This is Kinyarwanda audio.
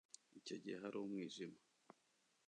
icyo gihe hari umwijima